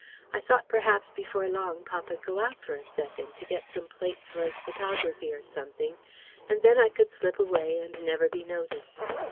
I thought perhaps before long papa'd go out for a second, to get some plates for his photography or something, and then I could slip away and never be noticed.